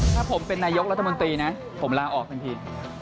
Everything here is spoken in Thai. ถ้าผมเป็นนายกรัฐมนตรีนะผมลาออกทันที